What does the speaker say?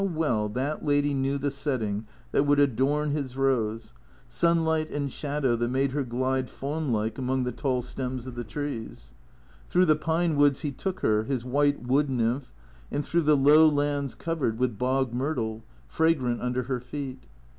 How well that lady knew the setting that would adorn his Rose; sunlight and shadow that made her glide fawn like among the tall stems of the trees. Through the pine woods he took her, his white wood nymph, and through the low lands covered 53 THE CEEATOKS with bog myrtle, fragrant under her feet.